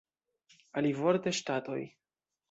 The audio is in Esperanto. Alivorte ŝtatoj.